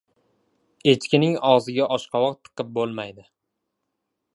• Echkining og‘ziga oshqovoq tiqib bo‘lmaydi.